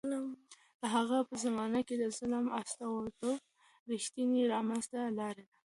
د هغوی په زمانه کې د ظلم او استبداد ریښې له منځه لاړې.